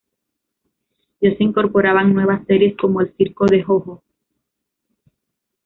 Ya se incorporaban nuevas series, como El circo de JoJo.